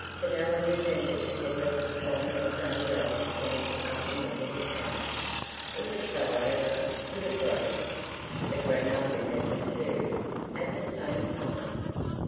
Fenella remembered she had left the swan necked umbrella standing up on the little couch. If it fell over, would it break? But grandma remembered too, at the same time.